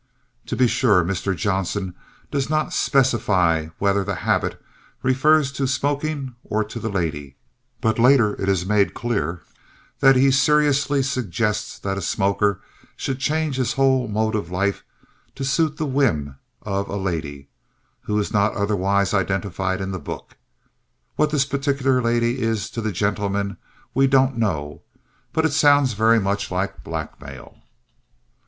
To be sure, Mr. Johnston does not specify whether "the habit" refers to smoking or to the lady, but later it is made clear that he seriously suggests that a smoker should change his whole mode of life to suit the whim of "a lady" who is not otherwise identified in the book. What this particular "lady" is to the "gentleman" we don't know, but it sounds very much like blackmail.